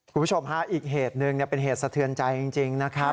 คุณผู้ชมฮะอีกเหตุหนึ่งเป็นเหตุสะเทือนใจจริงนะครับ